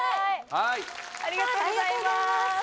ありがとうございます。